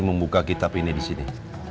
membuka kitab ini disini